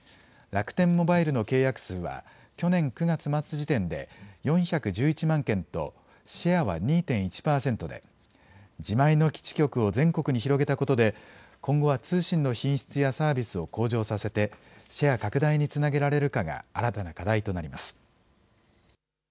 楽天モバイルの契約数は去年９月末時点で４１１万件と、シェアは２．１％で、自前の基地局を全国に広げたことで、今後は通信の品質やサービスを向上させて、シェア拡大につなげられるかが新たな課題となります。